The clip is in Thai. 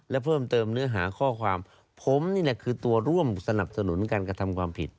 และเพิ่มเติมเนื้อหาข้อความผมนี่แหละคือตัวร่วมสนับสนุนการกระทำความผิด